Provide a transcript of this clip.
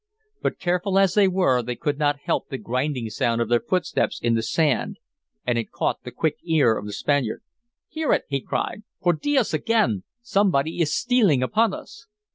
But careful as they were they could not help the grinding sound of their footsteps in the sand, and it caught the quick ear of the Spaniard. "Hear it!" he cried. "Por dios, again! Somebody is stealing upon us!"